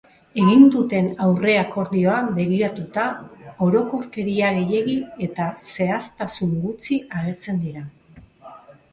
Egin duten aurre-akordioa begiratuta, orokorkeria gehiegi eta zehaztasun gutxi agertzen dira.